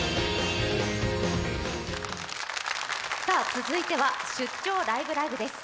続いては「出張ライブ！ライブ！」です。